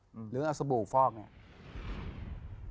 หรือเอาสบู่ฟอกเนี่ย